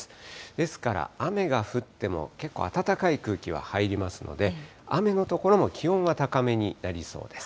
ですから、雨が降っても、けっこう暖かい空気は入りますので、雨の所も気温は高めになりそうです。